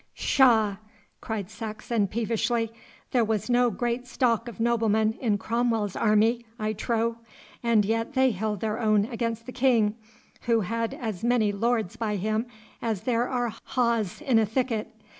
'Pshaw!' cried Saxon peevishly. 'There was no great stock of noblemen in Cromwell's army, I trow, and yet they held their own against the King, who had as many lords by him as there are haws in a thicket.